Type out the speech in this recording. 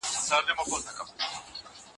نه د مرګ یې چاته پته لګېدله